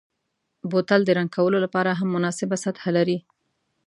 بوتل د رنګ کولو لپاره هم مناسبه سطحه لري.